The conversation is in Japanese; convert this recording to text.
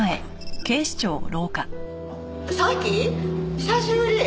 久しぶり！